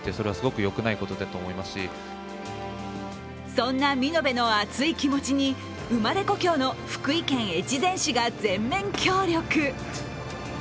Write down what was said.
そんな見延の熱い気持ちに生まれ故郷の福井県越前市が全面協力。